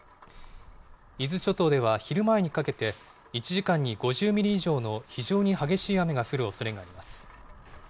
伊豆諸島では昼前にかけて、１時間に５０ミリ以上の非常に激しい雨が降るおそれがあります。